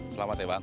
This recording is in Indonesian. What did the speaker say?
selamat ya bang